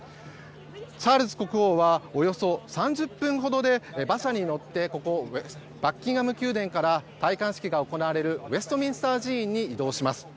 チャールズ国王はおよそ３０分ほどで馬車に乗ってここバッキンガム宮殿から戴冠式が行われるウェストミンスター宮殿に移動します。